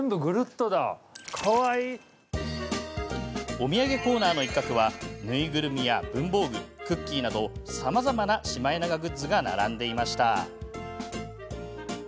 お土産コーナーの一角は縫いぐるみや文房具クッキーなどさまざまなシマエナガグッズが並んでいました。